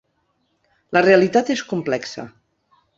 La realitat és complexa.